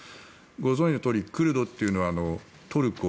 ご存じのとおりクルドというのはトルコ、